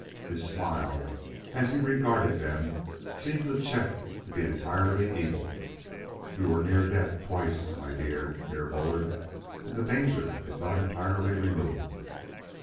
His smile, as he regarded them, seemed to Chet to be entirely evil. "You were near death twice, my dear Herr Bullard; and the danger is not entirely removed.